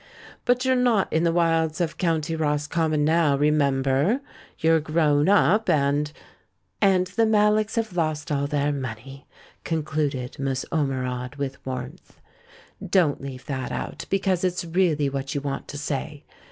But you're not in the wilds of County Roscommon now, remember ! You've grown up, and " 296 THE MAN WHO UNDERSTOOD WOMEN "And the Mallocks have lost all their money!" concluded Miss Ormerod, with warmth. "Don't leave that out, because it's really what you want to say.